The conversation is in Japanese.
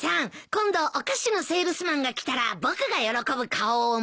今度お菓子のセールスマンが来たら僕が喜ぶ顔を思い出してね。